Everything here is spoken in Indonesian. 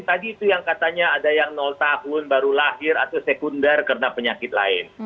tadi itu yang katanya ada yang tahun baru lahir atau sekunder karena penyakit lain